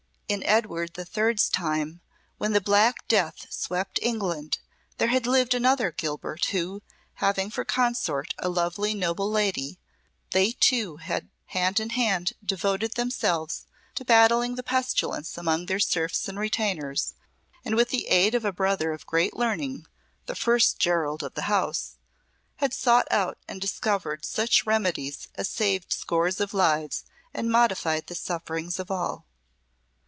In Edward the Third's time, when the Black Death swept England, there had lived another Guilbert who, having for consort a lovely, noble lady, they two had hand in hand devoted themselves to battling the pestilence among their serfs and retainers, and with the aid of a brother of great learning (the first Gerald of the house) had sought out and discovered such remedies as saved scores of lives and modified the sufferings of all.